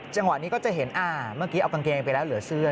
จังหวะนี้ก็จะเห็นเมื่อกี้เอากางเกงไปแล้วเหลือเสื้อ